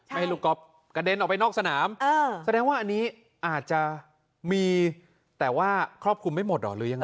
ให้ลูกก๊อฟกระเด็นออกไปนอกสนามแสดงว่าอันนี้อาจจะมีแต่ว่าครอบคลุมไม่หมดเหรอหรือยังไง